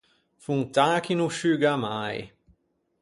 Fontaña chi no sciuga mai.